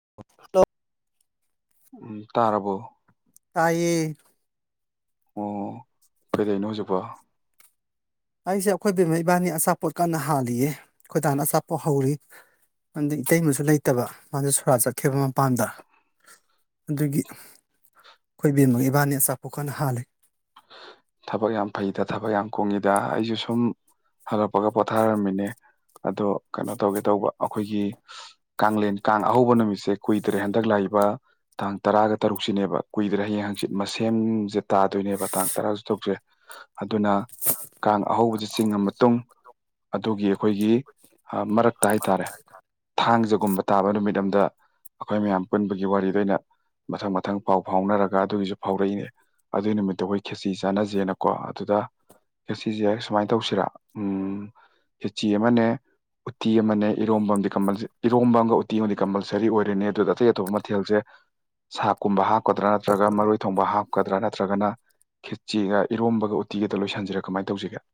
[unintelligible] ꯎꯝ ꯇꯥꯔꯕꯣ ꯇꯥꯏꯌꯦ ꯑꯣ ꯀꯩꯗꯅꯣ ꯍꯧꯖꯤꯛꯄꯣ ꯑꯩꯁꯦ ꯑꯩꯈꯣꯏ ꯕꯦꯝꯃꯥ ꯏꯕꯥꯅꯤ ꯑꯆꯥꯄꯣꯠ ꯀꯟꯅ ꯍꯥꯜꯂꯤꯌꯦ ꯈꯣꯏꯗꯥꯅ ꯑꯆꯥꯄꯣꯠ ꯍꯧꯔꯤ ꯑꯗ ꯏꯇꯩꯃꯁꯨ ꯂꯩꯇꯕ ꯃꯥꯁ ꯁꯣꯔꯥ ꯆꯠꯈꯤꯕ ꯃꯄꯥꯟꯗ ꯑꯗꯨꯒꯤ ꯑꯩꯈꯣꯏ ꯏꯕꯦꯝꯃ ꯏꯕꯥꯅꯤ ꯑꯆꯥꯄꯣꯠ ꯈꯅ ꯍꯥꯂꯦ ꯊꯕꯛ ꯌꯥꯝ ꯐꯩꯗ ꯊꯕꯛ ꯌꯥꯝ ꯀꯨꯡꯉꯤꯗ ꯑꯩꯁꯨ ꯁꯨꯝ ꯍꯜꯂꯛꯄꯒ ꯄꯣꯊꯥꯔꯝꯃꯤꯅꯦ ꯑꯗꯣ ꯀꯩꯅꯣ ꯇꯧꯒꯦ ꯇꯧꯕ ꯑꯩꯈꯣꯏꯒꯤ ꯀꯦꯟ ꯀꯥꯡ ꯑꯍꯧꯕ ꯅꯨꯃꯤꯠꯁꯦ ꯀꯨꯏꯗ꯭ꯔꯦ ꯍꯟꯗꯛ ꯂꯥꯛꯏꯕ ꯇꯥꯡ ꯇꯔꯥꯒ ꯇꯔꯨꯛꯁꯤꯅꯦꯕ ꯀꯨꯏꯗ꯭ꯔꯦ ꯍꯌꯦꯡ ꯍꯪꯆꯤꯠ ꯃꯁꯦꯝꯁꯦ ꯇꯥꯗꯣꯏꯅꯦꯕ ꯇꯥꯡ ꯇꯔꯥꯁꯨ ꯊꯣꯛꯇ꯭ꯔꯦ ꯑꯗꯨꯅ ꯀꯥꯡ ꯑꯍꯧꯕꯁꯤ ꯆꯤꯡꯉ ꯃꯇꯨꯡ ꯑꯗꯨꯒꯤ ꯑꯩꯈꯣꯏꯒꯤ ꯃꯔꯛꯇ ꯍꯥꯏꯇꯥꯔꯦ ꯊꯥꯡꯖꯒꯨꯝꯕ ꯇꯥꯕ ꯅꯨꯃꯤꯠ ꯑꯝꯗ ꯑꯩꯈꯣꯏ ꯃꯌꯥꯝ ꯄꯨꯟꯕꯒꯤ ꯋꯥꯔꯤꯗ ꯑꯣꯏꯅ ꯃꯊꯪ ꯃꯊꯪ ꯄꯥꯎ ꯐꯥꯎꯅꯔꯒ ꯑꯗꯨꯒꯤꯁꯨ ꯐꯥꯎꯔꯛꯏꯅꯦ ꯑꯗꯨꯒꯤ ꯅꯨꯃꯤꯠꯇꯨ ꯑꯩꯈꯣꯏ ꯈꯦꯁꯤ ꯆꯥꯟꯅꯖꯦꯅꯀꯣ ꯑꯗꯨꯗ ꯈꯦꯆꯤꯁꯦ ꯁꯨꯃꯥꯏꯅ ꯇꯧꯁꯤꯔ ꯎꯝ ꯈꯦꯆꯤ ꯑꯃꯅꯦ ꯎꯇꯤ ꯑꯃꯅꯦ ꯏꯔꯣꯝꯕꯝꯗꯤ ꯀꯃꯜꯁꯦ ꯏꯔꯣꯝꯕꯝꯒ ꯎ ꯇꯤꯉꯣꯟꯗꯤ ꯀꯝꯄꯜꯁꯔꯤ ꯑꯣꯏꯔꯦꯅꯤ ꯑꯗꯨꯗ ꯑꯇꯩ ꯑꯇꯣꯞꯄ ꯃꯊꯦꯜꯁꯦ ꯁꯥꯥꯛꯀꯨꯝꯕ ꯍꯥ ꯍꯥꯞꯀꯗ꯭ꯔꯥ ꯅꯠꯇ꯭ꯔꯒ ꯃꯔꯣꯏ ꯊꯣꯡꯕ ꯍꯥꯞꯀꯗ꯭ꯔꯥ ꯅꯠꯇ꯭ꯔꯒꯅ ꯈꯦꯠꯆꯦꯒ ꯏꯔꯣꯝꯕꯒ ꯎꯇꯤꯒꯗ ꯂꯣꯏꯁꯟꯁꯤꯔꯦ ꯀꯃꯥꯏ ꯇꯧꯁꯤꯒꯦ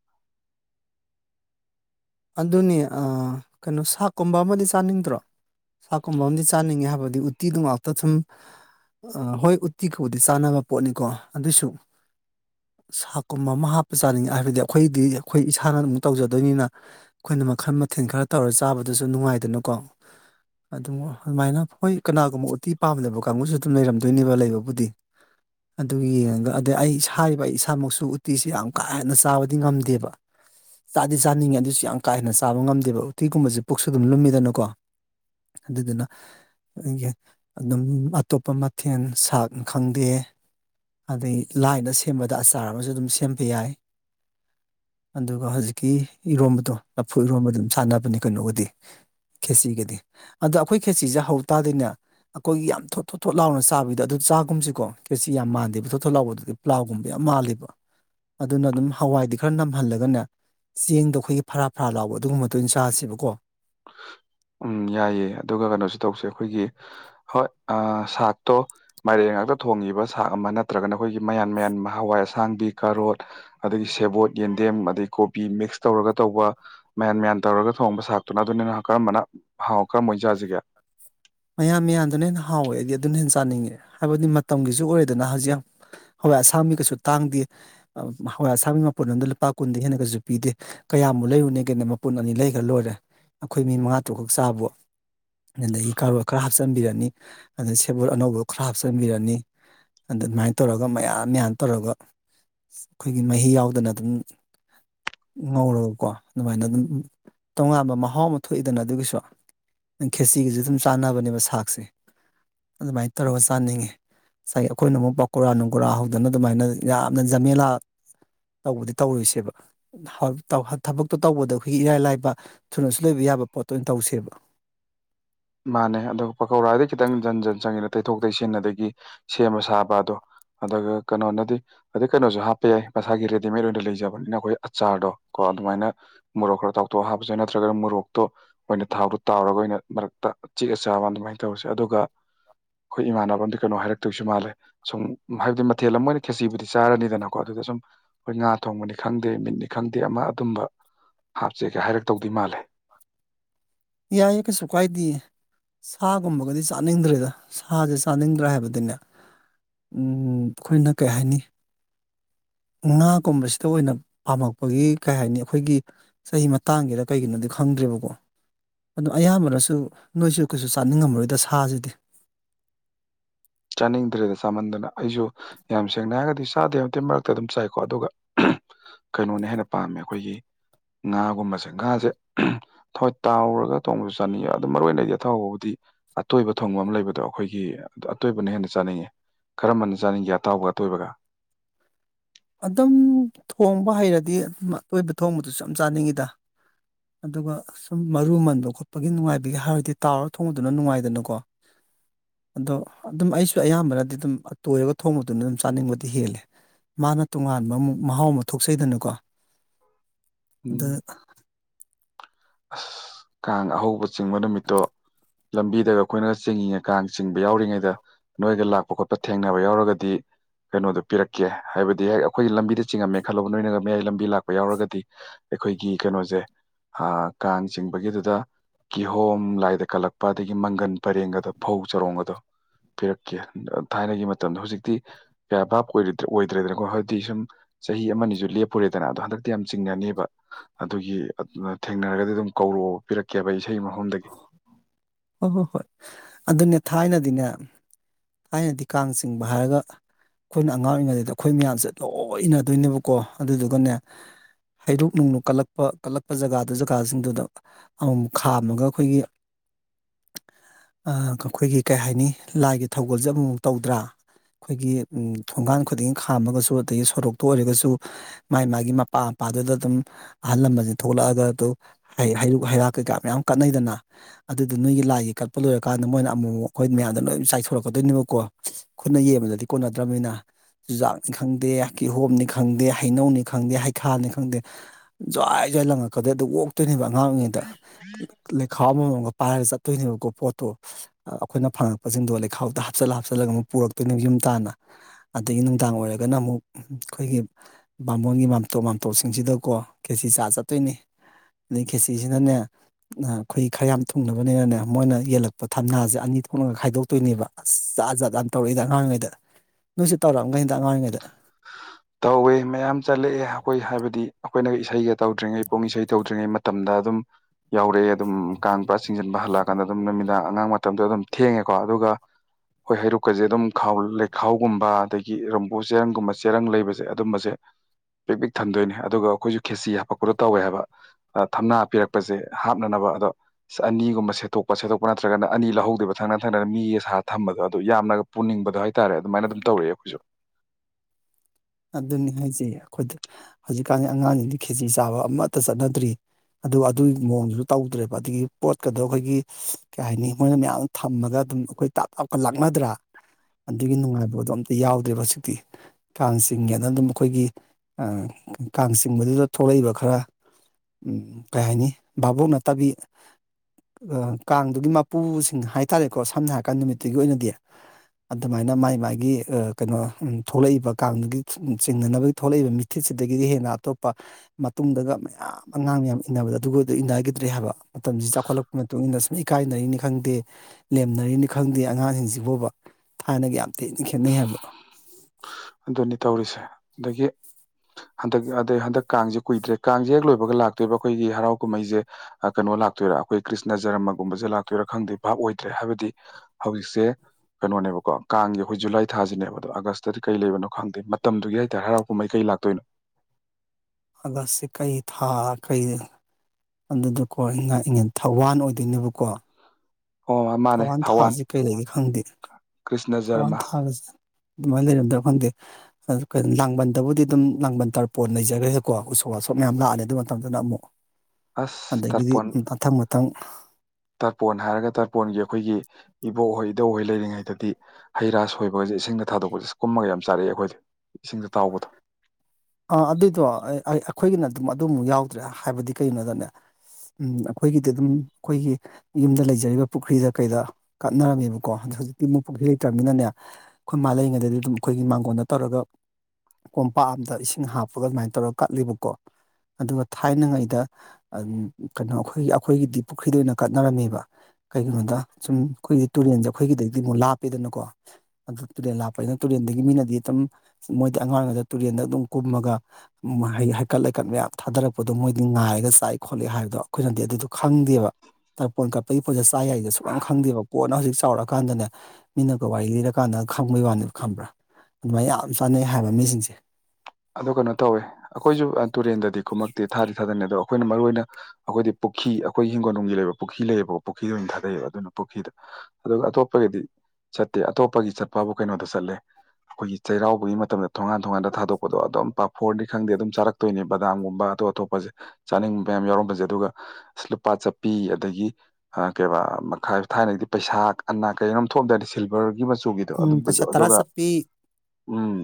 ꯑꯗꯨꯅꯦ ꯀꯩꯅꯣ ꯁꯥꯛꯀꯨꯝꯕ ꯑꯃꯗꯤ ꯆꯥꯅꯤꯡꯗ꯭ꯔꯣ ꯆꯥꯛꯀꯨꯝꯕ ꯑꯃꯗꯤꯝ ꯆꯥꯅꯤꯡꯉꯦ ꯍꯥꯏꯕꯗꯤ ꯎꯠꯇꯤꯗꯨ ꯉꯥꯛꯇ ꯁꯨꯝ ꯑ ꯍꯣꯏ ꯎꯠꯇꯤꯒꯕꯨꯗꯤ ꯆꯥꯅꯕ ꯄꯣꯠꯅꯤꯀꯣ ꯑꯗꯨꯏꯁꯨ ꯁꯥꯥꯛꯀꯨꯝꯕ ꯑꯃ ꯍꯥꯞꯄ ꯆꯥꯅꯤꯡꯉꯦ ꯍꯥꯏꯕꯗꯤ ꯑꯩꯈꯣꯏꯗꯤ ꯑꯩꯈꯣꯏ ꯏꯁꯥꯅ ꯑꯗꯨꯝ ꯇꯧꯖꯗꯣꯏꯅꯤꯅ ꯑꯩꯈꯣꯏꯅ ꯃꯈꯜ ꯃꯊꯦꯜ ꯈꯔ ꯇꯧꯔ ꯆꯥꯕꯗꯨꯁꯨ ꯅꯨꯡꯉꯥꯏꯗꯅꯀꯣ ꯑꯗꯨꯝ ꯑꯗꯨꯃꯥꯏꯅ ꯍꯣꯏ ꯀꯅꯥꯒꯨꯝꯕ ꯎꯠꯇꯤ ꯄꯥꯕꯅꯦꯕ ꯀꯥꯡꯕꯨꯁꯨ ꯑꯗꯨꯝ ꯂꯩꯔꯝꯗꯣꯏꯅꯦꯕ ꯂꯩꯕꯕꯨꯗꯤ ꯑꯗꯨꯒꯤ ꯌꯦꯡꯉꯒ ꯑꯗꯩ ꯑꯩ ꯏꯁꯔꯤꯕ ꯑꯩ ꯏꯁꯥꯃꯛꯁꯨ ꯎꯠꯇꯤꯁ ꯌꯥꯝ ꯀꯥ ꯍꯦꯟꯅ ꯆꯥꯕꯗꯤ ꯉꯝꯗꯦꯕ ꯆꯥꯗꯤ ꯆꯥꯅꯤꯡꯉꯦ ꯑꯗꯨꯁꯨ ꯌꯥꯝ ꯀꯥ ꯍꯦꯟꯅ ꯆꯥꯕ ꯉꯝꯗꯦꯕ ꯎꯇꯤꯒꯨꯝꯕꯁ ꯄꯨꯛꯁꯨ ꯑꯗꯨꯝ ꯂꯨꯝꯃꯤꯗꯅꯀꯣ ꯑꯗꯨꯗꯨꯅ ꯑꯩꯒꯤ ꯑꯗꯨꯝ ꯑꯇꯣꯞꯄ ꯃꯊꯦꯜ ꯁꯥꯛ ꯈꯪꯗꯦ ꯑꯗꯩ ꯂꯥꯏꯅ ꯁꯦꯝꯕꯗ ꯑꯆꯥꯔ ꯑꯃꯁꯨ ꯑꯗꯨꯝ ꯁꯦꯝꯕ ꯌꯥꯏ ꯑꯗꯨꯒ ꯍꯧꯖꯤꯛꯀꯤ ꯏꯔꯣꯝꯕꯗꯣ ꯂꯐꯨ ꯏꯔꯣꯝꯕ ꯑꯗꯨꯝ ꯁꯥꯟꯅꯕꯅꯦ ꯀꯩꯅꯣꯒꯗꯤ ꯈꯦꯁꯤꯒꯗꯤ ꯑꯗ ꯑꯩꯈꯣꯏ ꯈꯦꯁꯤꯁꯦ ꯍꯧꯇꯥꯗꯣꯏꯅꯦ ꯑꯩꯈꯣꯏꯒꯤ ꯌꯥꯝ ꯊꯣꯠ ꯊꯠꯣꯠ ꯂꯥꯎꯅ ꯆꯥꯕꯤꯗ ꯑꯗꯨ ꯆꯥꯒꯨꯝꯁꯤꯀꯣ ꯀꯦ ꯁꯤ ꯌꯥꯝ ꯃꯥꯟꯗꯦꯕ ꯊꯣꯠ ꯊꯣꯠ ꯂꯥꯎꯕꯗꯨꯗꯤ ꯄ꯭ꯂꯥꯎꯒꯨꯝꯕ ꯌꯥꯝ ꯃꯥꯂꯕ ꯑꯗꯨꯅ ꯑꯗꯨꯝ ꯍꯋꯥꯏꯗꯤ ꯈꯔ ꯅꯝꯍꯜꯂꯒꯅꯦ ꯆꯦꯡꯗꯣ ꯑꯩꯈꯣꯏꯒꯤ ꯐꯔꯥ ꯐꯔꯥ ꯂꯥꯎꯕ ꯑꯗꯨꯒꯨꯝꯕ ꯑꯣꯏꯅ ꯆꯥꯔꯁꯦꯕꯀꯣ ꯎꯝ ꯌꯥꯏꯑꯦ ꯑꯗꯨꯒ ꯀꯩꯅꯣꯁꯤ ꯇꯧꯁꯦ ꯑꯩꯈꯣꯏꯒꯤ ꯍꯣꯏ ꯑ ꯁꯥꯛꯇꯣ ꯃꯥꯏꯔꯦꯟ ꯉꯥꯛꯇ ꯊꯣꯡꯉꯤꯕ ꯁꯥꯛ ꯑꯃ ꯅꯠꯇ꯭ꯔꯒꯅ ꯑꯩꯈꯣꯏꯒꯤ ꯃꯌꯥꯟ ꯃꯌꯥꯟ ꯍꯋꯥꯏ ꯑꯁꯥꯡꯕꯤ ꯀꯥꯔꯣꯠ ꯑꯗꯒꯤ ꯁꯦꯕꯣꯠ ꯌꯦꯟꯗꯦꯝ ꯑꯗꯗꯒꯤ ꯀꯣꯕꯤ ꯃꯤꯛꯁ ꯇꯧꯔꯒ ꯇꯧꯕ ꯃꯌꯥꯟ ꯃꯌꯥꯟ ꯇꯧꯔꯒ ꯊꯣꯡꯕ ꯁꯥ ꯑꯗꯨꯅ ꯑꯗꯨꯅꯤꯅ ꯀꯔꯝꯕꯅ ꯍꯥꯎ ꯀꯔꯝꯕ ꯑꯣꯏꯅ ꯆꯥꯁꯤꯒꯦ ꯃꯌꯥꯝ ꯃꯌꯥꯝꯗꯨꯅ ꯍꯦ ꯍꯥꯎꯋꯦ ꯑꯩꯗꯤ ꯑꯗꯨꯅ ꯍꯦꯟꯅ ꯆꯥꯅꯤꯡꯉꯦ ꯍꯥꯏꯕꯗꯤ ꯃꯇꯝꯒꯤꯁꯨ ꯑꯣꯏꯔꯦꯗꯅ ꯍꯧꯖꯤꯛ ꯍꯋꯥꯏ ꯑꯁꯥꯕꯤ ꯀꯩꯁꯨ ꯇꯥꯡꯗꯦ ꯍꯋꯥꯏ ꯑꯁꯥꯕꯤ ꯃꯄꯨꯟꯣꯝꯗ ꯂꯨꯄꯥ ꯀꯨꯟꯗ ꯍꯦꯟꯅ ꯀꯩꯁꯨ ꯄꯤꯗꯦ ꯀꯌꯥꯝꯕꯨꯛ ꯂꯩꯔꯨꯅꯦꯒꯦꯅꯦ ꯃꯄꯨꯟ ꯑꯅꯤ ꯂꯩꯈ꯭ꯔ ꯂꯣꯏꯔꯦ ꯑꯩꯈꯣꯏ ꯃꯤ ꯃꯉꯥ ꯇꯔꯨꯛꯈꯛ ꯆꯥꯕꯨ ꯑꯗꯨꯗꯒꯤ ꯀꯥꯔꫭꯠ ꯈꯔ ꯍꯥꯞꯆꯤꯟꯕꯤꯔꯅꯤ ꯑꯗꯩ ꯁꯦꯕꯣꯠ ꯑꯅꯧꯕ ꯈꯔ ꯍꯥꯞꯆꯤꯟꯕꯤꯔꯅꯤ ꯑꯗꯨ ꯑꯗꯨꯃꯥꯏꯅ ꯇꯧꯔꯒ ꯃꯌꯥꯟ ꯃꯌꯥꯟ ꯇꯧꯔꯒ ꯑꯩꯈꯣꯏꯒꯤ ꯃꯍꯤ ꯌꯥꯎꯗꯅ ꯑꯗꯨꯝ ꯉꯧꯔꯒꯀꯣ ꯑꯗꯨꯃꯥꯏꯅ ꯑꯗꯨꯝ ꯇꯣꯉꯥꯟꯕ ꯃꯍꯥꯎ ꯑꯃ ꯊꯣꯛꯏꯗꯅ ꯑꯗꯨꯒꯤꯁꯨ ꯅꯪ ꯈꯦꯠꯁꯤꯒꯤꯁꯨ ꯑꯗꯨꯝ ꯆꯥꯅꯕꯅꯦꯕ ꯁꯥꯛꯁꯦ ꯑꯗꯨꯃꯥꯏꯅ ꯇꯧꯔꯒ ꯆꯥꯅꯤꯡꯉꯤ ꯉꯁꯥꯏ ꯑꯩꯈꯣꯏꯅ ꯑꯃꯨꯛ ꯄꯥꯎꯀꯨꯔꯥ ꯅꯨꯡꯀꯣꯔꯥ ꯍꯧꯗꯅ ꯑꯗꯨꯃꯥꯏꯅ ꯌꯥꯝꯅ ꯖꯃꯦꯂꯥ ꯇꯧꯕꯗꯤ ꯇꯧꯔꯨꯁꯦꯕ ꯊꯕꯛꯇꯣ ꯇꯧꯕꯗ ꯑꯩꯈꯣꯏꯒꯤ ꯏꯔꯥꯏ ꯂꯥꯏꯕ ꯊꯨꯅꯁꯨ ꯂꯣꯏꯕ ꯌꯥꯕ ꯄꯣꯠꯇ ꯑꯣꯏꯅ ꯇꯧꯁꯦꯕ ꯃꯥꯅꯦ ꯑꯗꯣ ꯄꯀꯧꯔꯥꯗꯤꯩ ꯈꯤꯇꯪ ꯖꯟ ꯖꯟ ꯆꯪꯉꯤꯅ ꯇꯩꯊꯣꯛ ꯇꯩꯁꯤꯟ ꯑꯗꯒꯤ ꯁꯦꯝꯕ ꯁꯥꯕ ꯑꯗꯣ ꯑꯗꯨꯒ ꯀꯩꯅꯣꯅꯗꯤ ꯑꯗꯨꯗꯩ ꯀꯩꯅꯣꯁꯨ ꯍꯥꯞꯄ ꯌꯥꯏ ꯃꯁꯥꯒꯤ ꯔꯦꯗꯤꯃꯦꯗ ꯑꯣꯏꯅ ꯂꯩꯖꯕꯅꯤꯅ ꯑꯩꯈꯣꯏ ꯑꯆꯥꯔꯗꯣ ꯀꯣ ꯑꯗꯨꯃꯥꯏꯅ ꯃꯣꯔꯣꯛ ꯈꯔ ꯇꯥꯎꯇꯣꯛ ꯍꯥꯞꯄꯁꯨ ꯅꯠꯇ꯭ꯔꯒ ꯃꯣꯔꯣꯛꯇꯣ ꯑꯣꯏꯅ ꯊꯥꯎꯗꯣ ꯇꯥꯎꯔꯒ ꯑꯣꯏꯅ ꯃꯔꯛ ꯇ ꯆꯦꯛ ꯑꯆꯥꯥꯕ ꯑꯗꯨꯃꯥꯏꯅ ꯇꯧꯔꯁꯦ ꯑꯗꯨꯒ ꯑꯩꯈꯣꯏ ꯏꯃꯥꯟꯅꯕ ꯑꯝꯗꯤ ꯀꯩꯅꯣ ꯍꯥꯏꯔꯛꯇꯣꯏꯁꯨ ꯃꯥꯜꯂꯦ ꯁꯨꯝ ꯍꯥꯏꯕꯗꯤ ꯃꯊꯦꯜ ꯑꯃ ꯑꯣꯏꯅ ꯈꯦꯆꯕꯨꯗꯤ ꯆꯥꯔꯅꯤꯗꯅꯀꯣ ꯑꯗꯨꯗ ꯁꯨꯝ ꯑꯩꯈꯣꯏ ꯉꯥ ꯊꯣꯡꯕꯅꯤ ꯈꯪꯗꯦ ꯃꯤꯠꯅꯤ ꯈꯪꯗꯦ ꯑꯃ ꯑꯗꯨꯝꯕ ꯍꯥꯞꯆꯦꯒ ꯍꯥꯏꯔꯛꯇꯧꯗꯤ ꯃꯥꯜꯂꯦ ꯌꯥꯏꯌꯦ ꯀꯁꯨꯨꯀꯥꯏꯗꯤꯌꯦ ꯁꯥꯒꯨꯝꯕꯒꯗꯤ ꯆꯥꯅꯤꯡꯗ꯭ꯔꯦꯗ ꯁꯥꯁꯦ ꯆꯥꯅꯤꯡꯗ꯭ꯔꯦ ꯍꯥꯏꯕꯗꯤꯅꯦ ꯎꯝ ꯑꯩꯈꯣꯏꯅ ꯀꯩ ꯍꯥꯏꯅꯤ ꯉꯥꯒꯨꯝꯕꯁꯤꯗ ꯑꯣꯏꯅ ꯄꯥꯝꯃꯛꯄꯒꯤ ꯀꯩ ꯍꯥꯏꯅꯤ ꯑꯩꯈꯣꯏꯒꯤ ꯆꯍꯤ ꯃꯇꯥꯡꯒꯤꯗ ꯀꯩꯒꯤꯅꯣꯗꯤ ꯈꯪꯗ꯭ꯔꯦꯕꯀꯣ ꯑꯗꯨꯣ ꯑꯌꯥꯝꯕꯅꯁꯨ ꯅꯣꯏꯁꯨ ꯀꯩꯁꯨ ꯆꯥꯅꯤꯡꯉꯝꯃꯔꯣꯏꯗ ꯁꯥꯁꯤꯗꯤ ꯆꯥꯅꯤꯡꯗ꯭ꯔꯦꯗ ꯆꯃꯟꯗꯅ ꯑꯩꯁꯨ ꯌꯥꯝ ꯁꯦꯡꯅ ꯍꯥꯏꯔꯒꯗꯤ ꯆꯥꯗꯦ ꯃꯇꯇꯩ ꯃꯔꯛꯇ ꯑꯗꯨꯝ ꯆꯥꯏꯀꯣ ꯑꯗꯨꯒ ꯀꯩꯅꯣꯅꯦ ꯍꯦꯟꯅ ꯄꯥꯝꯃꯦ ꯑꯩꯈꯣꯏꯒꯤ ꯉꯥꯒꯨꯝꯕꯁꯦ ꯉꯥꯁꯦ ꯍꫭꯏ ꯇꯥꯎꯔꯒ ꯇꯣꯡꯕꯁꯨ ꯆꯥꯅꯤꯡꯑꯦ ꯑꯗꯨ ꯃꯔꯨ ꯑꯣꯏꯅ ꯑꯩꯗꯤ ꯑꯇꯥꯎꯕꯕꯨꯗꯤ ꯑꯇꯣꯏꯕ ꯊꯣꯡꯕ ꯑꯃ ꯂꯩꯕꯗꯣ ꯑꯩꯈꯣꯏꯒꯤ ꯑꯇꯣꯏꯕꯅ ꯍꯦꯟꯅ ꯆꯥꯅꯤꯡꯉꯦ ꯈꯔꯝꯕꯅ ꯆꯥꯅꯤꯡꯒꯦ ꯑꯇꯥꯎꯕꯒ ꯑꯇꯣꯏꯕꯒ ꯑꯗꯨꯝ ꯊꯣꯡꯕ ꯍꯩꯔꯗꯤ ꯑꯇꯣꯏꯕ ꯊꯣꯡꯕꯗꯨꯁꯨ ꯌꯥꯝ ꯆꯥꯅꯤꯡꯉꯤꯗ ꯑꯗꯨꯒ ꯁꯨꯝ ꯃꯔꯨ ꯃꯟꯕ ꯈꯣꯠꯄꯒꯤ ꯅꯨꯡꯉꯥꯏꯕꯒꯤ ꯍꯥꯏꯔꯕꯗꯤ ꯇꯥꯎꯔ ꯊꯣꯡꯉꯗꯅ ꯅꯨꯡꯉꯥꯏꯗꯅꯀꯣ ꯑꯗꯣ ꯑꯗꯨꯝ ꯑꯩꯁꯨ ꯑꯌꯥꯝꯕꯅꯗꯤ ꯑꯗꯨꯝ ꯇꯣꯏꯔꯒ ꯊꯣꯡꯕꯗꯨꯅ ꯑꯗꯨꯝ ꯆꯥꯅꯤꯡꯕꯗꯤ ꯍꯦꯜꯂꯦ ꯃꯥꯅ ꯇꯣꯉꯥꯟꯕ ꯑꯃꯨꯛ ꯃꯍꯥꯎ ꯑꯃ ꯊꯣꯛꯆꯩꯗꯅꯀꯣ ꯑꯗ ꯎꯝ ꯑꯁ ꯀꯥꯡ ꯑꯍꯧꯕ ꯆꯤꯡꯕ ꯅꯨꯃꯤꯠꯇꯣ ꯂꯝꯕꯤꯗꯒ ꯑꯩꯈꯣꯏꯅ ꯆꯤꯡꯉꯤꯉ ꯀꯥꯡ ꯆꯤꯡꯕ ꯌꯥꯎꯔꯤꯉꯩꯗ ꯅꯣꯏꯒ ꯂꯥꯛꯄ ꯈꯣꯠꯄ ꯊꯦꯡꯅꯕ ꯌꯥꯎꯔꯒꯗꯤ ꯀꯩꯅꯣꯗꯣ ꯄꯤꯔꯛꯀꯦ ꯍꯥꯏꯕꯗꯤ ꯍ ꯑꯩꯈꯣꯏꯒꯤ ꯂꯝꯕꯤꯗ ꯆꯤꯡꯉꯝꯃꯦ ꯈꯜꯂꯣꯕ ꯅꯣꯏꯅꯒ ꯃꯌꯥꯏ ꯂꯝꯕꯤ ꯂꯥꯛꯄ ꯌꯥꯎꯔꯒꯗꯤ ꯑꯩꯈꯣꯏꯒꯤ ꯀꯩꯅꯣꯖꯦ ꯀꯥꯡ ꯆꯤꯡꯕꯒꯤꯗꯨꯗ ꯀꯤꯍꯣꯝ ꯂꯥꯏꯗ ꯀꯜꯂꯛꯄ ꯑꯗꯒꯤ ꯃꯪꯒꯟ ꯄꯔꯦꯡꯒꯗꯣ ꯐꯧ ꯆꯔꯣꯡꯒꯗꯣ ꯄꯤꯔꯛꯀꯦ ꯊꯥꯏꯅꯒꯤ ꯃꯇꯝꯗ ꯍꯧꯖꯤꯛꯇꯤ ꯀꯌꯥ ꯚꯥꯞ ꯑꯣꯏ ꯑꯣꯏꯗ꯭ꯔꯦꯗꯅꯀꯣ ꯍꯥꯏꯖꯤꯗꯤ ꯁꯨꯝ ꯆꯍꯤ ꯑꯃꯅꯤꯁꯨ ꯂꯦꯞꯄꯨꯔꯦꯗꯅ ꯑꯗꯣ ꯍꯟꯗꯛꯇꯤ ꯌꯥꯝ ꯆꯤꯡꯅꯅꯦꯕ ꯑꯗꯨꯒꯤ ꯊꯦꯡꯅꯔꯒ ꯑꯗꯨꯝ ꯀꯧꯔꯛꯑꯣ ꯄꯤꯔꯛꯀꯦꯕ ꯏꯁꯩ ꯃꯐꯝꯗꯒꯤ ꯍꯣꯏ ꯍꯣꯏ ꯍꯣꯏ ꯑꯗꯨꯅꯦ ꯊꯥꯏꯅꯗꯤꯅꯦ ꯊꯥꯏꯅꯗꯤ ꯀꯥꯡ ꯆꯤꯡꯕ ꯍꯥꯏꯔꯒ ꯑꯩꯈꯣꯏꯅ ꯑꯉꯥꯡ ꯑꯣꯏꯔꯤꯉꯩꯗ ꯑꯩꯈꯣꯏ ꯃꯌꯥꯝꯁꯦ ꯂꯣꯏ ꯏꯅꯗꯣꯏꯅꯦꯕꯀꯣ ꯑꯗꯨꯗꯨꯒꯅꯦ ꯍꯩꯔꯨꯛ ꯅꯨꯡꯂꯨꯛ ꯀꯠꯂꯛꯄ ꯀꯠꯂꯛꯄ ꯖꯒꯥꯗꯨ ꯖꯒꯥꯁꯤꯡꯗꯨꯗ ꯑꯃꯃꯨꯛ ꯈꯥꯝꯃꯒ ꯑꯩꯈꯣꯏꯒꯤ ꯑꯥ ꯑꯩꯈꯣꯏꯒꯤ ꯀꯩ ꯍꯥꯏꯅꯤ ꯂꯥꯏꯒꯤ ꯊꯧꯒꯜꯁꯦ ꯑꯃꯨꯃꯨꯛ ꯇꯧꯗ꯭ꯔꯥ ꯑꯩꯈꯣꯏꯒꯤ ꯊꯣꯡꯒꯥꯟ ꯈꯨꯗꯤꯡꯒꯤ ꯈꯥꯝꯃꯒꯁꯨ ꯑꯗꯒꯤ ꯁꯣꯔꯣꯛꯇ ꯑꯣꯏꯔꯒꯁꯨ ꯃꯥꯥꯏ ꯃꯥꯒꯤ ꯃꯄꯥ ꯃꯄꯥꯗꯨꯗ ꯑꯗꯨꯝ ꯑꯍꯜ ꯂꯃꯟꯁꯦ ꯊꯣꯛꯂꯛꯑꯒ ꯑꯗꯨ ꯍꯩ ꯍꯩꯔꯛ ꯍꯩꯔꯥꯛ ꯀꯩꯀꯥ ꯃꯌꯥꯝ ꯀꯠꯅꯩꯗꯅ ꯑꯗꯨꯗ ꯅꯣꯏꯒꯤ ꯂꯥꯏꯒꯤ ꯀꯠꯄ ꯂꯣꯏꯔꯀꯥꯟꯗ ꯃꯣꯏꯅ ꯑꯃꯨꯛ ꯑꯩꯈꯣꯏ ꯃꯌꯥꯝꯗ ꯂꯣꯏ ꯆꯥꯏꯊꯣꯔꯛꯀꯗꯣꯏꯅꯦꯕꯀꯣ ꯈꯨꯠꯅ ꯌꯦꯡꯕꯗꯗꯤ ꯀꯣꯟꯅꯗ꯭ꯔꯕꯅꯤꯅ ꯆꯨꯖꯥꯛꯅꯤ ꯈꯪꯗꯦ ꯀꯤꯍꯣꯝꯅꯤ ꯈꯪꯗꯦ ꯍꯩꯅꯧꯅꯤ ꯈꯪꯗꯦ ꯍꯩꯈꯥꯅꯤ ꯈꯪꯗꯦ ꯖꯋꯥꯏꯖ꯭ꯋꯥꯏ ꯂꯪꯉꯛꯀꯗꯣꯏ ꯑꯗꯨ ꯑꯣꯛꯇꯣꯏꯅꯦꯕ ꯑꯉꯥꯡ ꯑꯣꯏꯔꯤꯉꯩꯗ ꯈꯥꯑꯃꯃꯝꯒ ꯄꯥꯏꯔꯒ ꯆꯠꯇꯣꯏꯅꯦꯕꯀꯣ ꯄꯣꯠꯇꯣ ꯑꯩꯈꯣꯏꯅ ꯐꯪꯉꯛꯄꯁꯤꯡꯗꯣ ꯂꯩꯈꯥꯎꯗ ꯍꯥꯞꯆꯤꯜꯂ ꯍꯥꯞꯆꯤꯜꯂꯒ ꯑꯃꯨꯛ ꯄꯨꯔꯛꯇꯣꯏꯅꯦ ꯌꯨꯝ ꯇꯥꯟꯅ ꯑꯗꯒꯤ ꯅꯨꯡꯗꯥꯡ ꯑꯣꯏꯔꯒꯅ ꯑꯃꯨꯛ ꯑꯩꯈꯣꯏꯒꯤ ꯕꯥꯝꯕꯣꯟꯒꯤ ꯃꯥꯝꯇꯣꯞ ꯃꯥꯝꯇꯣꯞꯁꯤꯡꯁꯤꯗꯀꯣ ꯀꯦꯖꯤ ꯆꯥ ꯆꯠꯇꯣꯏꯅꯤ ꯑꯗꯩ ꯈꯦꯁꯤꯁꯤꯅꯅꯦ ꯑꯩꯈꯣꯏ ꯈꯔ ꯌꯥꯝ ꯊꯨꯡꯅꯕꯅꯤꯅꯅꯦ ꯃꯣꯏꯅ ꯌꯦꯜꯂꯛꯄ ꯊꯝꯅꯥꯁꯦ ꯑꯅꯤ ꯊꯣꯛꯂꯒ ꯈꯥꯏꯗꯣꯛꯇꯣꯏꯅꯦꯕ ꯑꯁ ꯆꯥꯠ ꯖꯠ ꯌꯥꯝ ꯇꯧꯔꯛꯏꯗ ꯑꯉꯥꯡꯔꯤꯉꯩꯗ ꯅꯣꯏꯁꯨ ꯇꯧꯔꯛꯑꯝꯒꯅꯤꯗ ꯑꯉꯥꯡ ꯑꯣꯏꯔꯤꯉꯩꯗ ꯇꯧꯋꯦ ꯃꯌꯥꯝ ꯆꯠꯂꯛꯑꯦ ꯑꯩꯈꯣꯏ ꯍꯥꯏꯕꯗꯤ ꯑꯩꯈꯣꯏꯅ ꯏꯁꯩꯒ ꯇꯧꯗ꯭ꯔꯤꯉꯩ ꯄꯨꯡ ꯏꯁꯩ ꯇꯧꯗ꯭ꯔꯤꯉꯩ ꯃꯇꯝꯗ ꯑꯗꯨꯝ ꯌꯥꯎꯔꯛꯑꯦ ꯑꯗꯨꯝ ꯀꯥꯡ [unintelligible] ꯕꯥ ꯍꯜꯂꯛꯑꯀꯥꯟꯗ ꯑꯗꯨꯝ ꯅꯨꯃꯤꯗꯥꯡ ꯑꯉꯥꯡ ꯃꯇꯝꯗꯣ ꯑꯗꯨꯝ ꯊꯦꯡꯉꯦꯀꯣ ꯑꯗꯨꯒ ꯍꯣꯏ ꯍꯩꯔꯨꯛꯀꯁꯦ ꯑꯗꯨꯝ ꯂꯩꯈꯥꯎꯒꯨꯝꯕ ꯑꯗꯒꯤ ꯔꯣꯝꯕꯣ ꯆꯦꯔꯪꯒꯨꯝꯕ ꯆꯦꯔꯪ ꯂꯩꯕꯁꯦ ꯑꯗꯨꯝꯕꯁꯦ ꯄꯤꯛ ꯄꯤꯛ ꯊꯝꯗꯣꯏꯅꯦ ꯑꯗꯨꯒ ꯑꯩꯈꯣꯏꯁꯨ ꯈꯦꯁꯤ ꯍꯥꯄꯛꯄꯗ ꯇꯧꯋꯦ ꯍꯥꯏꯕ ꯑꯥ ꯊꯝꯅꯥ ꯄꯤꯔꯛꯄꯁꯦ ꯍꯥꯞꯅꯅꯕ ꯑꯗꯣ ꯑꯅꯤꯒꯨꯝꯕ ꯁꯦꯠꯇꯣꯛꯄ ꯁꯦꯠꯇꯣꯛꯄ ꯅꯠꯇ꯭ꯔꯒꯅ ꯑꯅꯤ ꯂꯧꯍꯧꯗꯦꯕ ꯊꯪꯅ ꯊꯪꯅꯅ ꯃꯤꯒꯤ ꯑꯁꯥ ꯊꯝꯕꯗꯣ ꯑꯗꯨ ꯌꯥꯝꯅꯒ ꯄꯨꯅꯤꯡꯕꯗꯣ ꯍꯥꯏ ꯇꯥꯔꯦ ꯑꯗꯨꯃꯅ ꯑꯗꯨꯝ ꯇꯧꯔꯛꯏ ꯑꯩꯈꯣꯏꯁꯨ ꯑꯗꯨꯅꯤ ꯍꯥꯏꯁꯦ ꯑꯩꯈꯣꯏꯗ ꯍꯧꯖꯤꯛꯀꯥꯟꯒꯤ ꯑꯉꯥꯡꯁꯤꯡꯗꯤ ꯈꯦꯖꯤ ꯆꯥꯕ ꯑꯃꯠꯇ ꯆꯠꯅꯗ꯭ꯔꯤ ꯑꯗꯨ ꯑꯗꯨꯒꯤ ꯃꯑꯣꯡꯗꯨꯁꯨ ꯇꯧꯗ꯭ꯔꯦꯕ ꯑꯗꯒꯤ ꯄꯣꯠꯀꯗꯣ ꯑꯩꯈꯣꯏꯒꯤ ꯀꯩ ꯍꯥꯏꯅꯤ ꯃꯣꯏꯅ ꯃꯌꯥꯝ ꯊꯝꯃꯒ ꯑꯗꯨꯝ ꯑꯩꯈꯣꯏ ꯇꯥꯞ ꯇꯥꯞꯀ ꯂꯥꯛꯅꯗ꯭ꯔꯥ ꯑꯗꯨꯒꯤ ꯅꯨꯡꯉꯥꯏꯕꯗꯣ ꯑꯝꯇ ꯌꯥꯎꯗ꯭ꯔꯦꯕ ꯍꯧꯖꯤꯛꯇꯤ ꯀꯥꯟꯁꯦ ꯆꯤꯡꯒꯦꯅ ꯑꯗꯨꯝ ꯑꯩꯈꯣꯏꯒꯤ ꯀꯥꯡ ꯆꯤꯡꯕꯗꯨꯗ ꯊꯣꯛꯂꯛꯏꯕ ꯈꯔ ꯎꯝ ꯀꯩ ꯍꯥꯏꯅꯤ ꯚꯥꯕꯣꯛ ꯅꯠꯇꯕꯤ ꯀꯥꯡꯗꯨꯒꯤ ꯃꯄꯨꯁꯤꯡ ꯍꯥꯏꯇꯥꯔꯦꯀꯣ ꯁꯝꯅ ꯍꯥꯏꯔꯀꯥꯟꯗ ꯅꯨꯃꯤꯠꯇꯨꯒꯤ ꯑꯣꯏꯅꯗꯤ ꯑꯗꯨꯃꯥꯏꯅ ꯃꯥꯥꯏ ꯃꯥꯒꯤ ꯀꯩꯅꯣ ꯊꯣꯛꯂꯛꯏꯕ ꯀꯥꯡꯗꯨꯒꯤ ꯆꯤꯡꯅꯅꯕꯒꯤ ꯊꯣꯛꯂꯛꯏꯕ ꯃꯤꯊꯠꯁꯤꯗꯒꯤꯗꯤ ꯍꯦꯟꯅ ꯑꯇꯣꯞꯄ ꯃꯇꯨꯡꯗꯒ ꯃꯌꯥꯝ ꯑꯉꯥꯡ ꯃꯌꯥꯝ ꯏꯟꯅꯕꯗ ꯑꯗꯨꯒꯗ ꯏꯟꯅꯈꯤꯗ꯭ꯔꯦ ꯍꯥꯏꯕ ꯃꯇꯝꯁꯤ ꯆꯥꯎꯈꯠꯂꯛ ꯃꯇꯨꯡ ꯏꯟꯅ ꯁꯨꯝ ꯏꯀꯥꯏꯅꯔꯤꯅꯤ ꯈꯪꯗꯦ ꯂꯦꯝꯅꯔꯤꯅꯤ ꯈꯪꯗꯦ ꯑꯉꯥꯡꯁꯤꯡꯁꯤ ꯕꯣꯕꯥ ꯊꯥꯏꯅꯒ ꯌꯥꯝ ꯊꯤꯅ ꯈꯦꯠꯅꯩ ꯍꯥꯏꯕ ꯑꯗꯨꯅꯦ ꯇꯧꯔꯤꯁꯦ ꯑꯗꯒꯤ ꯍꯟꯗꯛ ꯑꯗꯩ ꯍꯟꯗꯛ ꯀꯥꯡꯁꯦ ꯀꯨꯏꯗ꯭ꯔꯦ ꯀꯥꯡꯁꯦ ꯍꯦꯛ ꯂꯣꯏꯕꯒ ꯂꯥꯛꯇꯣꯏꯕ ꯑꯩꯈꯣꯏꯒꯤ ꯍꯔꯥꯎ ꯀꯨꯝꯍꯩꯖꯦ ꯑ ꯀꯥꯅꯣ ꯂꯥꯛꯇꯣꯏꯔ ꯑꯩꯈꯣꯏ ꯀ꯭ꯔꯤꯁꯅ ꯖꯔꯃꯒꯨꯝꯕꯖꯦ ꯂꯥꯛꯇꯣꯏꯔ‌ꯈꯪꯗꯦ ꯚꯥꯞ ꯑꯣꯏꯗ꯭ꯔꯦ ꯍꯥꯏꯕꯗꯤ ꯍꯧꯖꯤꯛꯁꯦ ꯀꯩꯅꯣꯅꯦꯕꯀꯣ ꯀꯥꯡꯒꯤ ꯑꯩꯈꯣꯏ ꯖꯨꯂꯥꯏ ꯊꯥꯖꯤꯅꯦꯕ ꯑꯗꯣ ꯑꯥꯒꯁꯇꯗꯤ ꯀꯩ ꯂꯩꯕꯅꯣ ꯈꯪꯗꯦ ꯃꯇꯝꯗꯨꯒꯤ ꯍꯥꯏꯇꯥꯔꯦ ꯍꯔꯥꯎꯀꯨꯝꯃꯩ ꯀꯩ ꯂꯥꯛꯇꯣꯏꯅꯣ ꯑꯥꯒꯁꯁꯤ ꯀꯩ ꯊꯥ ꯀꯩ ꯑꯗꯨꯗꯀꯣ ꯏꯉꯥ ꯏꯉꯦꯟ ꯊꯧꯋꯥꯟ ꯑꯣꯏꯗꯣꯏꯅꯦꯕꯀꯣ ꯑꯣ ꯃꯥꯅꯦ ꯊꯧꯋꯥꯟ ꯊꯖꯤ ꯀꯩ ꯂꯩꯒꯦ ꯈꯪꯗꯦ ꯀ꯭ꯔꯤꯁꯅ ꯊꯧꯋꯥꯟ ꯖꯔꯃ ꯊꯥꯒꯖꯤ ꯑꯗꯨꯃꯥꯏꯟ ꯂꯩꯔꯝꯗ꯭ꯔꯥ ꯈꯪꯗꯦ ꯑꯗꯥ ꯀꯩꯅꯣ ꯂꯥꯡꯕꯟꯗꯕꯨꯗꯤ ꯑꯗꯨꯝ ꯂꯥꯡꯕꯟ ꯇꯔꯄꯣꯟ ꯂꯩꯖꯒ꯭ꯔꯦꯀꯣ ꯎꯁꯣꯞ ꯋꯥꯁꯣꯞ ꯃꯌꯥꯝ ꯂꯥꯛꯑꯅꯤ ꯑꯗꯨ ꯃꯇꯝꯗꯨꯗ ꯑꯃꯨꯛ ꯑꯁ ꯑꯗꯒꯤꯗꯤ ꯇꯔꯄꯣꯟ ꯃꯊꯪ ꯃꯊꯪ ꯇꯔꯄꯣꯟ ꯍꯥꯏꯔꯒ ꯇꯔꯄꯣꯟꯖꯤ ꯑꯩꯈꯣꯏꯒꯤ ꯏꯕꯣꯛꯍꯣꯏ ꯏꯙꯧꯍꯣꯏ ꯂꯩꯔꯤꯉꯩꯗꯗꯤ ꯍꯩꯔꯥ ꯁꯣꯏꯕꯒꯖꯦ ꯏꯁꯤꯡꯅ ꯊꯥꯗꯣꯛꯄꯁꯦ ꯀꯨꯝꯃꯒ ꯌꯥꯝ ꯆꯔꯛꯑꯦ ꯑꯩꯈꯣꯏꯗꯤ ꯏꯁꯤꯡꯗ ꯇꯥꯎꯕꯗꯣ ꯑ ꯑꯗꯨꯗꯣ ꯑꯩ ꯑꯩ ꯑꯩꯈꯣꯏꯒꯤꯅ ꯑꯗꯨꯝ ꯑꯗꯨꯃꯨꯛ ꯌꯥꯎꯗ꯭ꯔꯦ ꯍꯥꯏꯕꯗꯤ ꯀꯩꯅꯣꯗꯅꯦ ꯎꯝ ꯑꯈꯣꯏꯒꯤꯗꯤ ꯑꯗꯨꯝ ꯑꯈꯣꯏꯒꯤ ꯌꯨꯝꯗ ꯂꯩꯖꯔꯤꯕ ꯄꯨꯈ꯭ꯔꯤꯗ ꯀꯩꯗ ꯀꯠꯅꯔꯝꯃꯦꯕꯀꯣ ꯑꯗꯣ ꯍꯧꯖꯤꯛꯇꯤ ꯃꯨꯛ ꯄꯨꯈ꯭ꯔꯤ ꯂꯩꯇ꯭ꯔꯅꯤꯅꯅꯦ ꯑꯈꯣꯏ ꯃꯥ ꯂꯩꯔꯤꯉꯩꯗꯗꯤ ꯑꯗꯨꯝ ꯑꯈꯣꯏꯒꯤ ꯃꯥꯡꯒꯣꯟꯗ ꯇꯧꯔꯒ ꯀꯣꯝꯄꯥꯛ ꯑꯝꯗ ꯏꯁꯤꯡ ꯏꯁꯤꯡ ꯍꯥꯞꯄꯒ ꯑꯗꯨꯃꯥꯏꯅ ꯇꯧꯔꯒ ꯀꯠꯂꯤꯕꯀꯣ ꯑꯗꯨꯒ ꯊꯥꯏꯅꯉꯩꯗ ꯑꯝ ꯀꯩꯅꯣ ꯑꯩꯈꯣꯏ ꯑꯩꯈꯣꯏꯒꯤꯗꯤ ꯄꯨꯈ꯭ꯔꯤꯗ ꯑꯣꯏꯅ ꯀꯠꯅꯔꯝꯃꯦꯕ ꯀꯩꯒꯤꯅꯣꯗ ꯁꯨꯝ ꯑꯩꯈꯣꯏꯒꯤ ꯇꯨꯔꯦꯟꯖꯦ ꯑꯩꯈꯣꯏꯒꯤꯗꯗꯤ ꯑꯃꯨꯛ ꯂꯥꯞꯄꯦꯗꯅꯀꯣ ꯑꯗꯨ ꯇꯨꯔꯦꯟ ꯂꯥꯛꯄꯅꯤꯅ ꯇꯨꯔꯦꯜꯗꯒꯤ ꯃꯤꯅꯗꯤ ꯑꯗꯨꯝ ꯃꯣꯏꯗꯤ ꯑꯉꯥꯡꯉꯗ ꯇꯨꯔꯦꯜꯗ ꯑꯗꯨꯝ ꯀꯨꯝꯃꯒ ꯃꯍꯩ ꯍꯩꯀꯠ ꯂꯩꯀꯠ ꯃꯌꯥꯝ ꯊꯥꯗꯔꯛꯄꯗꯣ ꯃꯣꯏꯗꯤ ꯉꯥꯏꯔꯒ ꯆꯥꯏ ꯈꯣꯠꯂꯦ ꯍꯥꯏꯕꯗꯣ ꯑꯈꯣꯏꯅꯗꯤ ꯑꯗꯨꯗꯣ ꯈꯪꯗꯦꯕ ꯇꯔꯄꯣꯟ ꯀꯞꯄꯒꯤ ꯄꯣꯠꯖꯦ ꯆꯥ ꯌꯥꯏꯖꯦ ꯁꯨꯛꯈꯪ ꯈꯪꯗꯦꯕ ꯀꯣꯟꯅ ꯍꯧꯖꯤꯛ ꯆꯥꯎꯔꯛꯑꯀꯥꯟꯗꯅꯦ ꯃꯤꯅꯒ ꯋꯥꯔꯤ ꯂꯤꯔ ꯀꯥꯟꯗ ꯈꯪꯕꯒꯤ ꯋꯥꯅꯤ ꯈꯪꯕ꯭ꯔꯥ ꯑꯗꯨꯃꯥꯏꯟ ꯌꯥꯝ ꯆꯥꯟꯅꯩ ꯍꯥꯏꯕ ꯃꯤꯁꯤꯡꯁꯦ ꯑꯗꯣ ꯀꯥꯅꯣ ꯇꯧꯋꯦ ꯑꯩꯈꯣꯏꯖꯨ ꯑ ꯇꯨꯔꯦꯟꯗꯗꯤ ꯈꯨꯃꯛꯇꯦ ꯊꯥꯗꯤ ꯊꯥꯗꯅꯗ꯭ꯔꯣ ꯑꯩꯈꯣꯏꯅ ꯃꯔꯨꯑꯣꯏ ꯑꯣꯏꯅ ꯑꯈꯣꯏꯗꯤ ꯄꯨꯛꯈꯤ ꯑꯩꯈꯣꯏ ꯍꯤꯡꯒꯣꯜꯅꯨꯡꯒꯤ ꯂꯩꯕ ꯄꯨꯈꯤ ꯂꯩꯌꯦꯕꯣ ꯄꯨꯈꯤꯗ ꯑꯣꯏꯅ ꯊꯥꯗꯩꯑꯕ ꯑꯗꯨꯅ ꯄꯨꯈꯤꯗ ꯑꯗꯨꯒ ꯑꯇꯣꯞꯄꯒꯤꯗꯤ ꯆꯠꯇꯦ ꯑꯇꯣꯞꯄꯒꯤ ꯆꯠꯄꯕꯨ ꯀꯩꯅꯣꯗ ꯆꯠꯂꯦ ꯑꯩꯈꯣꯏꯒꯤ ꯆꯩꯔꯥꯎꯕꯒꯤ ꯃꯇꯝꯗ ꯊꯣꯒꯥꯟ ꯊꯣꯒꯥꯟꯗ ꯊꯥꯗꯣꯛꯄ ꯄꯣꯗꯣ ꯑꯗꯨꯝ ꯄꯥꯐꯣꯔꯅꯤ ꯈꯪꯗꯦ ꯑꯗꯨꯝ ꯆꯥꯔꯛꯇꯣꯏꯅꯤ ꯕꯗꯥꯝꯒꯨꯝꯕ ꯑꯇꯣꯞ ꯑꯇꯣꯞꯄꯖꯦ ꯆꯥꯅꯤꯡꯕꯌꯥꯝ ꯌꯥꯎꯔꯝꯕꯖꯦ ꯑꯗꯨꯒ ꯏꯁ ꯂꯨꯄꯥ ꯆꯥꯠꯄꯤ ꯑꯗꯒꯤ ꯑ ꯀꯩꯕ ꯑ ꯃꯈꯥ ꯊꯥꯏꯅꯒꯤꯗꯤ ꯄꯩꯁꯥ ꯑꯅꯥ ꯀꯩꯅꯣꯝ ꯊꯣꯛꯑꯝꯗꯔꯗꯤ ꯁꯤꯜ ꯕꯔꯒꯤ ꯃꯆꯨꯒꯤꯗꯣ ꯎꯝ ꯑꯗꯨꯝꯕꯖꯨ ꯄꯩꯁꯥ ꯇꯔꯥ ꯑꯗꯨꯒ ꯆꯠꯄꯤ ꯎꯝ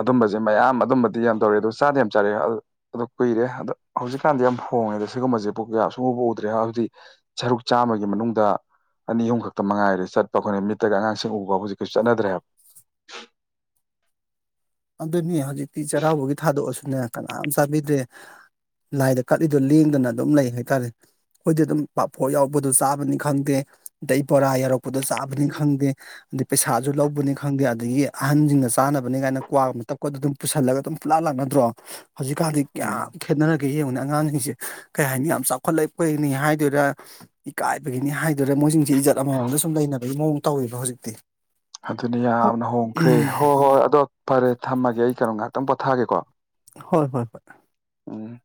ꯑꯗꯨꯝꯕꯖꯦ ꯃꯌꯥꯝ ꯑꯗꯨꯝꯕꯗꯤ ꯌꯥꯝ ꯇꯧꯔꯛꯑꯦ ꯑꯗꯣ ꯆꯥꯗꯤ ꯌꯥꯝ ꯆꯥꯔꯦ ꯑꯗꯨꯗꯣ ꯑꯗꯣ ꯀꯨꯏꯔꯦ ꯑꯗꯣ ꯍꯧꯖꯤꯛꯀꯥꯟꯗꯤ ꯌꯥꯝ ꯍꯣꯡꯉꯦꯗ ꯁꯤꯒꯨꯝꯕꯖꯦ ꯄꯨꯀꯌꯥ ꯁꯨꯡꯎꯕ ꯎꯗ꯭ꯔꯦ ꯍꯧꯖꯤꯛ ꯁꯔꯨꯛ ꯆꯥꯝꯃꯒꯤ ꯃꯅꯨꯡꯗ ꯑꯅꯤ ꯑꯍꯨꯝ ꯈꯛꯇ ꯃꯉꯥꯏꯔꯦ ꯆꯠꯄ ꯑꯩꯈꯣꯏꯅ ꯃꯤꯠꯇꯒ ꯑꯉꯥꯡꯁꯤꯡ ꯎꯕ ꯍꯧꯖꯤꯛꯀꯩꯁꯨ ꯆꯠꯗ꯭ꯔꯦ ꯍꯥꯏꯕ ꯑꯗꯨꯅꯤ ꯍꯧꯖꯤꯛꯇꯤ ꯆꯩꯔꯥꯎꯕꯒꯤ ꯊꯥꯗꯣꯛꯑꯁꯨꯅꯦ ꯀꯅꯥꯝ ꯆꯥꯕꯤꯗ꯭ꯔꯦ ꯂꯥꯏꯗ ꯀꯠꯂꯤꯗꯣ ꯂꯦꯡꯗꯅ ꯑꯗꯨꯝ ꯂꯩ ꯍꯥꯏꯇꯥꯔꯦ ꯑꯩꯈꯣꯏꯗꯤ ꯑꯗꯨꯝ ꯄꯥꯐꯣꯔ ꯌꯥꯎꯔꯛꯄꯗꯣ ꯆꯥꯕꯅꯤ ꯈꯪꯗꯦ ꯑꯗꯩ ꯕꯣꯔꯥ ꯌꯥꯎꯔꯛꯄꯗꯣ ꯆꯥꯕꯅꯤ ꯈꯪꯗꯦ ꯑꯗꯩ ꯄꯩꯁꯥꯖꯨ ꯂꯧꯕꯅꯤ ꯈꯪꯗꯦ ꯑꯗꯒꯤ ꯑꯍꯟꯖꯤꯡꯅ ꯆꯥꯅꯕꯅꯦ ꯀꯥꯏꯅ ꯀ꯭ꯋꯥ ꯃꯇꯞꯀꯗꯣ ꯑꯗꯨꯝ ꯄꯨꯁꯜꯂꯒ ꯑꯗꯨꯝ ꯄꯨꯂꯥ ꯂꯥꯛꯅꯗ꯭ꯔꯣ ꯍꯧꯖꯤꯛꯀꯥꯟꯗꯤ ꯎꯝ ꯀꯌꯥꯝ ꯈꯦꯠꯅꯔꯒꯦ ꯌꯦꯡꯉꯨꯅꯦ ꯑꯉꯥꯡꯖꯤꯡꯁꯦ ꯀꯩ ꯍꯥꯏꯅꯤ ꯌꯥꯝ ꯆꯥꯎꯈꯠꯂꯛꯄꯩꯅꯤ ꯍꯥꯏꯗꯣꯏꯔꯥ ꯏꯀꯥꯏꯕꯒꯤꯅꯤ ꯍꯥꯏꯗꯣꯏꯔ‌ ꯃꯣꯏꯖꯤꯡꯖꯤ ꯏꯖꯠ ꯑꯃꯃꯝꯗ ꯁꯨꯝ ꯂꯩꯅꯕꯒꯤ ꯃꯑꯣꯡ ꯇꯧꯋꯦꯕ ꯍꯧꯖꯤꯛꯇꯤ ꯑꯗꯨꯅꯦ ꯍꯣ ꯌꯥꯝꯅ ꯍꯣꯡꯈ꯭ꯔꯦ ꯎꯝ ꯍꯣ ꯍꯣꯏ ꯑꯗꯣ ꯐꯔꯦ ꯊꯝꯃꯒꯦ ꯑꯩ ꯀꯩꯅꯣꯝ ꯉꯥꯏꯍꯥꯛꯇꯪ ꯄꯣꯊꯥꯒꯦꯀꯣ ꯍꯣꯏ ꯍꯣꯏ ꯍꯣꯏ ꯎꯝ